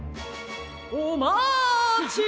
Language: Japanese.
・「おまち！」。